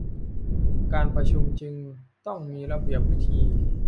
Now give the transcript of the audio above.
การประชุมจึงต้องมีระเบียบวิธี